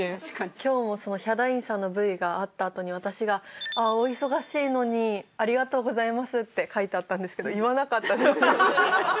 今日もそのヒャダインさんのＶがあったあとに私が「お忙しいのにありがとうございます」って書いてあったんですけど言わなかったです。